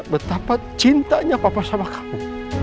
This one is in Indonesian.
betapa cintanya papa sama kamu